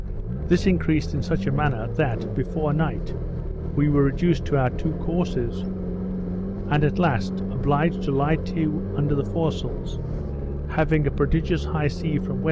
This increased in such a manner, that, before night, we were reduced to our two courses; and, at last, obliged to lie to under the fore sails, having a prodigious high sea from W.N.